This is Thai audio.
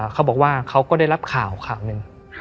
เขาบอกว่าเขาก็ได้รับข่าวหนึ่ง